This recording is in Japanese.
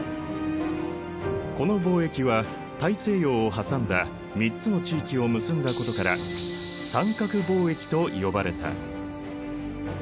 この貿易は大西洋を挟んだ３つの地域を結んだことから三角貿易と呼ばれた。